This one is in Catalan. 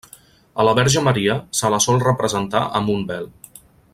A la Verge Maria se la sol representar amb un vel.